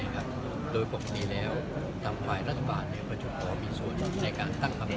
ความมีแล้วก็จะมีส่วนในการตั้งกับ